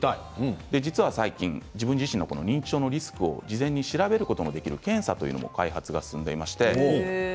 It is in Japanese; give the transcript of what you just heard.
実は最近自分自身の認知症のリスクを事前に調べることができる検査というもの開発が進んでいます。